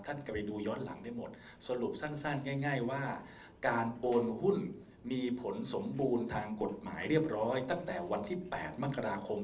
กลับไปดูย้อนหลังได้หมดสรุปสั้นง่ายว่าการโอนหุ้นมีผลสมบูรณ์ทางกฎหมายเรียบร้อยตั้งแต่วันที่๘มกราคม